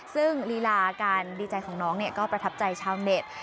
ซึ่งลีลาการดีใจของน้องก็ประทับใจชาวเน็ต